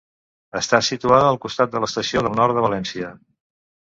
Està situada al costat de l'Estació del Nord de València.